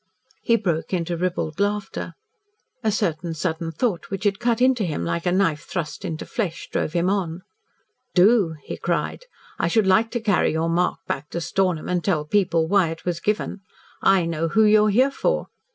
He broke into ribald laughter. A certain sudden thought which had cut into him like a knife thrust into flesh drove him on. "Do!" he cried. "I should like to carry your mark back to Stornham and tell people why it was given. I know who you are here for.